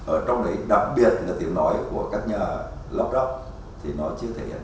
ở trong đấy đặc biệt là tiếng nói của các nhà lắp đắp thì nó chưa thể hiện rõ